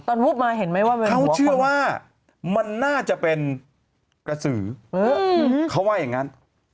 วูบมาเห็นไหมว่าเขาเชื่อว่ามันน่าจะเป็นกระสือเขาว่าอย่างนั้น